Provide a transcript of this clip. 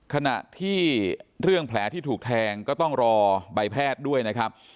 ขณะที่เรื่องแผลที่ถูกแทงก็ต้องรอใบแพทย์ด้วยนะครับ